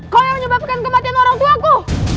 kau yang menyebabkan kematian orangtuaku